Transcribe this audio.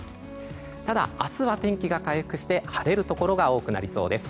ただ、明日は天気が回復して晴れるところが多くなりそうです。